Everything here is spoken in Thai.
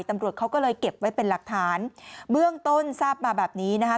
ตำรวจเขาก็เลยเก็บไว้เป็นหลักฐานเบื้องต้นทราบมาแบบนี้นะคะ